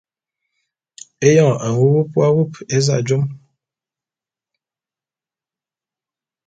Éyoň nwuwup w’awup éza jom.